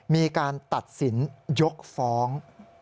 มีการตัดสินยกฟ้อง